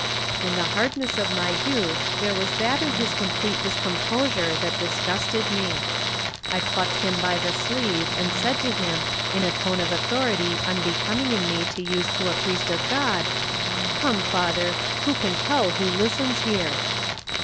In the hardness of my youth there was that in his complete discomposure that disgusted me. I plucked him by the sleeve and said to him in a tone of authority un becoming in me to use to a priest of God: "Come, Father, who can tell who listens here?"